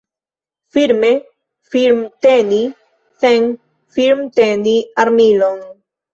Firme firmteni sen firmteni armilon.